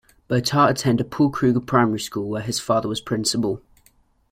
Botha attended Paul Kruger Primary School where his father was principal.